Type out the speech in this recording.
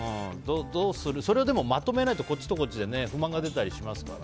それをまとめないとこっちとこっちで不満が出たりしますからね。